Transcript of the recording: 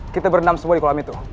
kita bernam semua di kolam itu